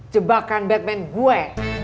jebakan batman gue